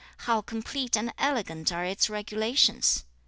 How complete and elegant are its regulations!